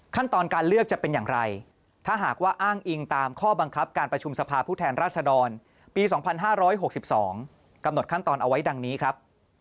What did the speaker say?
การเลือกจะเป็นอย่างไรถ้าหากว่าอ้างอิงตามข้อบังคับการประชุมสภาผู้แทนราชดรปี๒๕๖๒กำหนดขั้นตอนเอาไว้ดังนี้ครับ